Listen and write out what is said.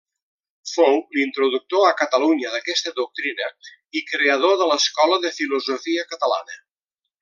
Fou l'introductor a Catalunya d'aquesta doctrina i creador de l'escola de filosofia catalana.